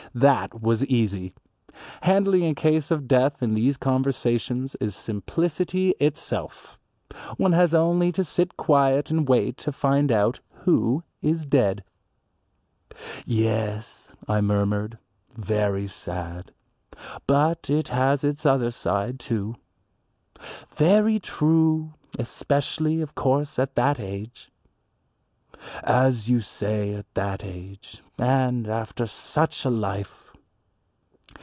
That was easy. Handling a case of death in these conversations is simplicity itself. One has only to sit quiet and wait to find out who is dead. "Yes," I murmured, "very sad. But it has its other side, too." "Very true, especially, of course, at that age." "As you say at that age, and after such a life."